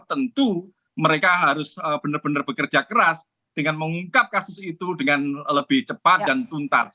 tentu mereka harus benar benar bekerja keras dengan mengungkap kasus itu dengan lebih cepat dan tuntas